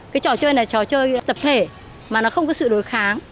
cái trò chơi này trò chơi tập thể mà nó không có sự đối kháng